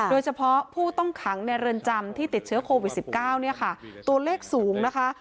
โดยเฉพาะผู้ต้องขังในเรือนจำที่ติดเชื้อโควิด๑๙เนี่ยค่ะตัวเลขสูงนะคะ